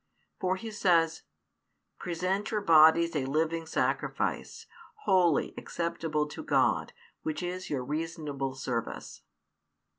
For he says: Present your bodies a living sacrifice, holy, acceptable to God, which is your reasonable service.